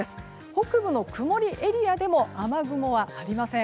北部の曇りエリアでも雨雲はありません。